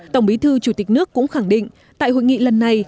tổng bí thư chủ tịch nước cũng khẳng định tại hội nghị lần này